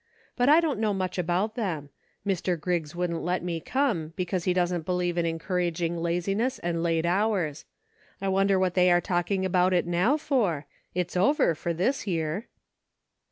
But I don't know much about them. Mr. Griggs wouldn't let me come, because he didn't believe in encouraging laziness and late hours. I wonder what they are talking about it now for ? It's over for this year."